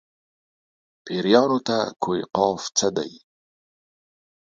پېریانو ته کوه قاف څه دي.